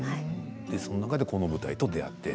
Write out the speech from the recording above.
その中でこの舞台と出会って。